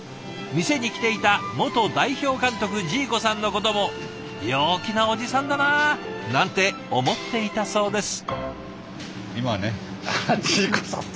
店に来ていた元代表監督ジーコさんのことも「陽気なおじさんだな」なんて思っていたそうです。